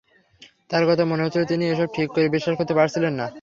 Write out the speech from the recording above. তাঁর কথায় মনে হচ্ছিল, তিনি এসব ঠিক বিশ্বাস করতে পারছিলেন না।